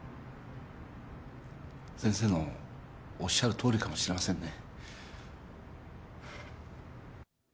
先生のおっしゃるとおりかもしれませんね。